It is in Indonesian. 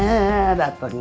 udah pada dateng nih